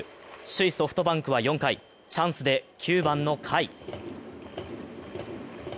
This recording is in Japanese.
首位・ソフトバンクは４回、チャンスで９番の甲斐。